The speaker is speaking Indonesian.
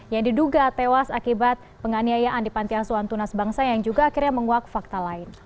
yang diduga tewas akibat penganiayaan di panti asuhan tunas bangsa yang juga akhirnya menguak fakta lain